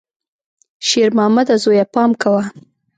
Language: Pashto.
شېرمامده زویه، پام کوه!